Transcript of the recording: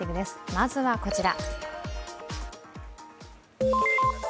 まずはこちら。